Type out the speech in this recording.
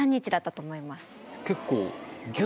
結構。